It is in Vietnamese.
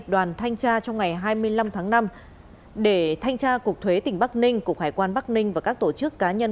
đoàn thanh tra trong ngày hai mươi năm tháng năm để thanh tra cục thuế tỉnh bắc ninh cục hải quan bắc ninh và các tổ chức cá nhân